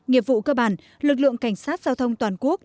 nghiệp vụ cơ bản lực lượng cảnh sát giao thông toàn quốc